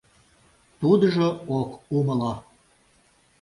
Тудыжо ок умыло.